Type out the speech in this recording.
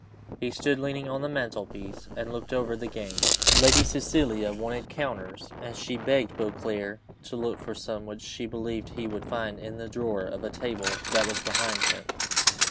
He stood leaning on the mantelpiece, and looking over the game. Lady Cecilia wanted counters, and she begged Beauclerc to look for some which she believed he would find in the drawer of a table that was behind him.